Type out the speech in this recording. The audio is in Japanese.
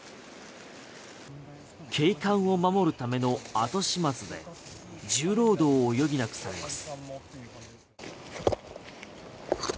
景観を守るための後始末で重労働を余儀なくされます。